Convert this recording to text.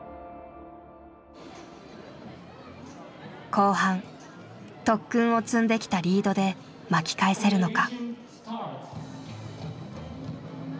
後半特訓を積んできたリードで巻き返せるのか。